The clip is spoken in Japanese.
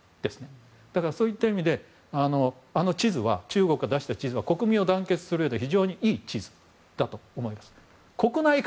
だからそういった意味であの地図は国民が団結するうえで非常にいい地図だと思います。